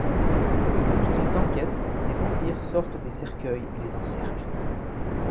Alors qu'ils enquêtent, des vampires sortent des cercueils et les encerclent.